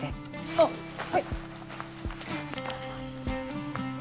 あっはい。